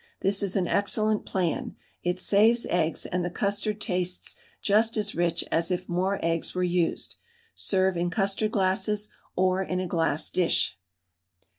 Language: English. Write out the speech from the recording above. This is an excellent plan; it saves eggs, and the custard tastes just as rich as if more eggs were used. Serve in custard glasses, or in a glass dish.